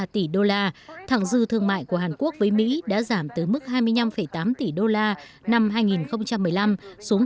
một trăm một mươi chín ba tỷ đô la thẳng dư thương mại của hàn quốc với mỹ đã giảm từ mức hai mươi năm tám tỷ đô la năm hai nghìn một mươi năm xuống